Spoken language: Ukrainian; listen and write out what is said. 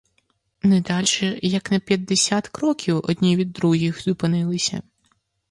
Не дальше, як на п'ятдесят кроків одні від других, зупинилися.